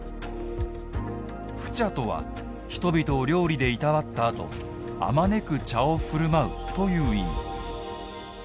普茶とは、人々を料理でいたわったあと普く茶をふるまうという意味。